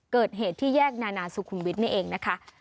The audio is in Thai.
เกิดเหตุที่แยกนานาสุขุมวิทย์นี่เองนะคะ